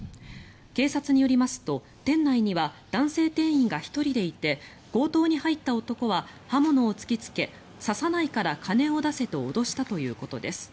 警察によりますと店内には男性店員が１人でいて強盗に入った男は刃物を突きつけ刺さないから金を出せと脅したということです。